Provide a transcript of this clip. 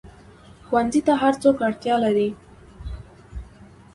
ښوونځی ته هر څوک اړتیا لري